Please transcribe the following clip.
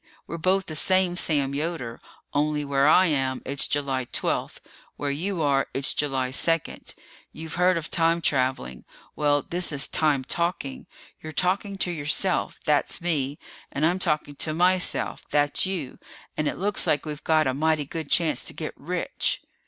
We're both the same Sam Yoder, only where I am, it's July twelfth. Where you are, it's July second. You've heard of time traveling. Well, this is time talking. You're talking to yourself that's me and I'm talking to myself that's you and it looks like we've got a mighty good chance to get rich."